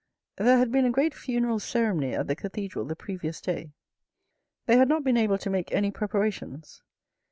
There had been a great funeral ceremony at the cathedral the previous day. They had not been able to make any preparations.